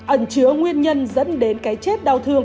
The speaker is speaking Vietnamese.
ẩn chứa nguyên nhân dẫn đến cái chết đau thương